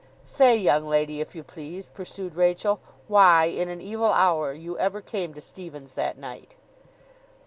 'Say, young lady, if you please,' pursued Rachael, 'why, in an evil hour, you ever came to Stephen's that night.